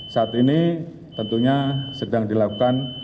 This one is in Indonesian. saat ini tentunya sedang dilakukan